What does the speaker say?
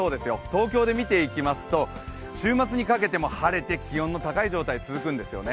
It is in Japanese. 東京で見ていきますと週末にかけても晴れて気温の高い状態、続くんですよね。